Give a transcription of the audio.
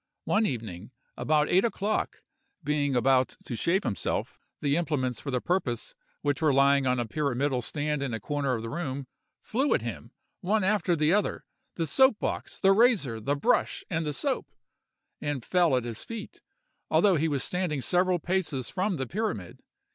One evening about eight o'clock, being about to shave himself, the implements for the purpose, which were lying on a pyramidal stand in a corner of the room, flew at him, one after the other—the soap box, the razor, the brush, and the soap—and fell at his feet, although he was standing several paces from the pyramid.